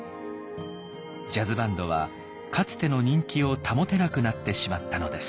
ジャズバンドはかつての人気を保てなくなってしまったのです。